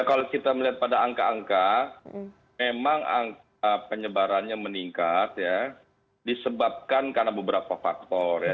kalau kita melihat pada angka angka memang penyebarannya meningkat ya disebabkan karena beberapa faktor ya